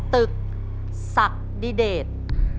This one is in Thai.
ตึกศักดิเดต